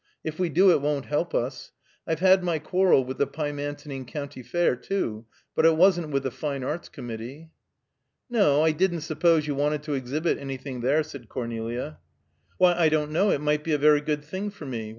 If we do, it won't help us. I've had my quarrel with the Pymantoning County Fair, too; but it wasn't with the Fine Arts Committee." "No, I didn't suppose you wanted to exhibit anything there," said Cornelia. "Why, I don't know. It might be a very good thing for me.